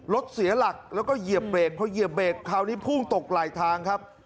รถเสียหลักแล้วก็เหยียบเบรกพอเหยียบเบรกคราวนี้พุ่งตกไหลทางครับ